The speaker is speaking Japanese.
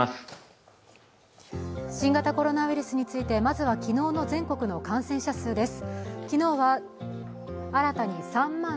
新型コロナウイルスについてまずは昨日の全国の感染者数です。